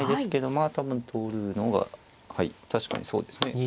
まあ多分取るのがはい確かにそうですね。